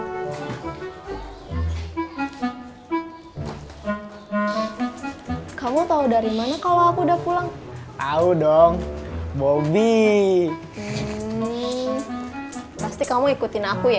hmm kamu tahu dari mana kalau aku udah pulang tahu dong bobi pasti kamu ikutin aku ya